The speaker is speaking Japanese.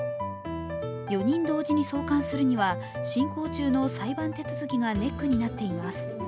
４人同時に送還するには進行中の裁判手続きがネックになっています。